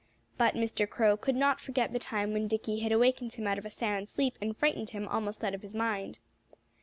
But Mr. Crow could not forget the time when Dickie had awakened him out of a sound sleep and frightened him almost out of his mind.